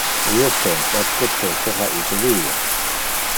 Io pensa que Peter ha ite via.